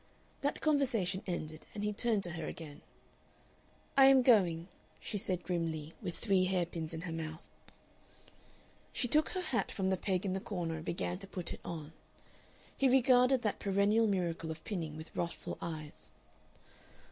That conversation ended and he turned to her again. "I am going," she said grimly, with three hairpins in her mouth. She took her hat from the peg in the corner and began to put it on. He regarded that perennial miracle of pinning with wrathful eyes.